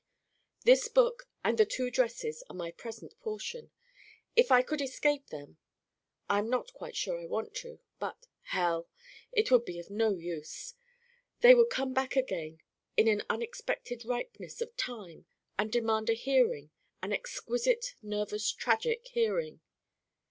This book and the two dresses are my present portion. If I could escape them (I am not quite sure I want to but hell!) it would be of no use. They would come back again in an unexpected ripeness of time and demand a hearing: an exquisite nervous tragic hearing.